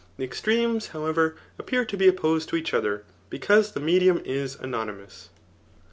The extremes, however, appear to be exposed to each other, because the medium is anonymous.